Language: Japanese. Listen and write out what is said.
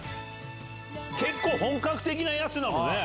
結構本格的なやつなのね。